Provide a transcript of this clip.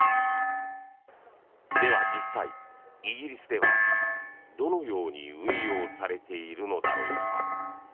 では実際、イギリスではどのように運用されているのだろうか。